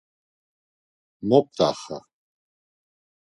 mot p̌t̆axa .